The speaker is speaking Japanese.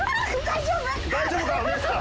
大丈夫か？